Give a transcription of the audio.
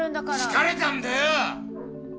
疲れたんだよ！